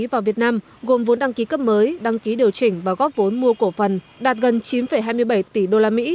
vào việt nam gồm vốn đăng ký cấp mới đăng ký điều chỉnh và góp vốn mua cổ phần đạt gần chín hai mươi bảy tỷ usd